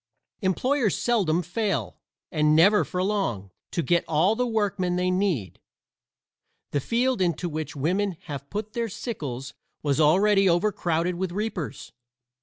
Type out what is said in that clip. Employers seldom fail, and never for long, to get all the workmen they need. The field into which women have put their sickles was already overcrowded with reapers.